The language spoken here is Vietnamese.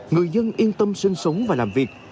người dân yên tâm sinh sống và làm việc